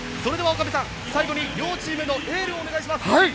岡部さん、最後に両チームのエールをお願いします。